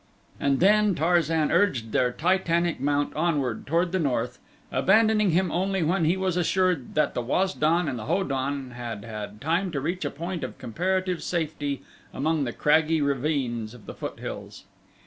And then Tarzan urged their titanic mount onward toward the north, abandoning him only when he was assured that the Waz don and the Ho don had had time to reach a point of comparative safety among the craggy ravines of the foothills.